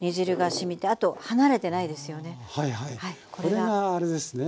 これがあれですね